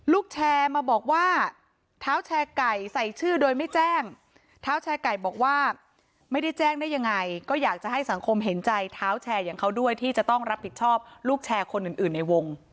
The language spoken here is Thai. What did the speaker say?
แชร์มาบอกว่าเท้าแชร์ไก่ใส่ชื่อโดยไม่แจ้งเท้าแชร์ไก่บอกว่าไม่ได้แจ้งได้ยังไงก็อยากจะให้สังคมเห็นใจเท้าแชร์อย่างเขาด้วยที่จะต้องรับผิดชอบลูกแชร์คนอื่นในวง